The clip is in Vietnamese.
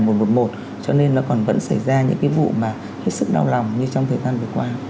tổng đài một trăm một mươi một cho nên nó còn vẫn xảy ra những cái vụ mà hết sức đau lòng như trong thời gian vừa qua